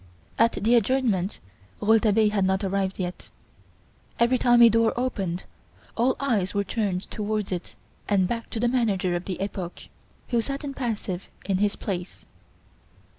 At the adjournment Rouletabille had not yet arrived. Every time a door opened, all eyes there turned towards it and back to the manager of the "Epoque," who sat impassive in his place.